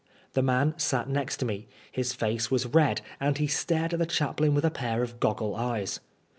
The man sat next to me ; his face was red, and he stared at the chaplain with a pair of goggle eyes.